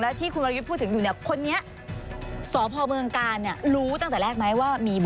และที่